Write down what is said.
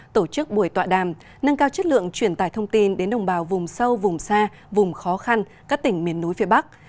tổ chức buổi tọa đàm nâng cao chất lượng truyền tải thông tin đến đồng bào vùng sâu vùng xa vùng khó khăn các tỉnh miền núi phía bắc